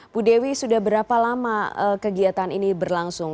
bu dewi sudah berapa lama kegiatan ini berlangsung